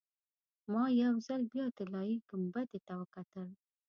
ما یو ځل بیا طلایي ګنبدې ته وکتل.